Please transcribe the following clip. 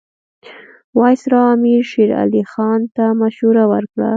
وایسرا امیر شېر علي خان ته مشوره ورکړه.